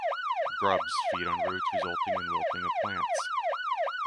Grubs feed on roots resulting in wilting of plants.